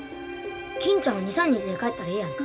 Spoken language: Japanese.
金ちゃんは２３日で帰ったらええやんか。